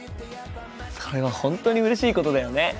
それは本当にうれしいことだよね。